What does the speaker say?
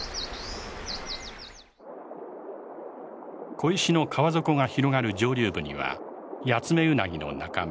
小石の川底が広がる上流部にはヤツメウナギの仲間